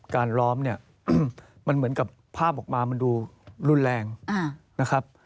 ล้อมเนี่ยมันเหมือนกับภาพออกมามันดูรุนแรงนะครับ